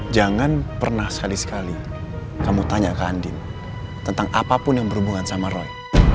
jangan pernah sekali sekali kamu tanya ke andin tentang apapun yang berhubungan sama roy